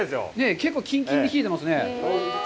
結構きんきんに冷えてますね。